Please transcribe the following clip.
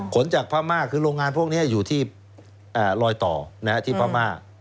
จากพม่าคือโรงงานพวกนี้อยู่ที่ลอยต่อที่พม่า